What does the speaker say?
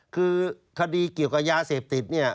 คือคดีเกี่ยวกับยาเสพติดเนี่ย